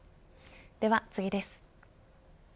では次です。